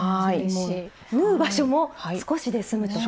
縫う場所も少しで済むと？